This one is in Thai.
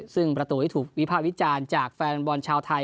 ซึ่งประตูที่ถูกวิภาควิจารณ์จากแฟนบอลชาวไทย